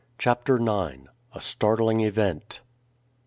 CHAPTER IX. A STARTLING EVENT.